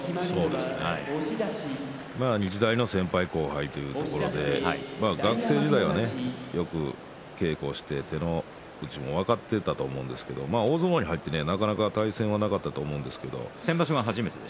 まあ日大の先輩後輩というところで学生時代はよく稽古をして手の内も分かっていたと思うんですけれど大相撲に入ってなかなか対戦はなかったと思うんですけれど。